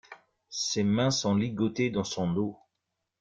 Ses mains sont ligotées dans son dos.